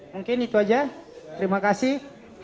mungkin itu aja terima kasih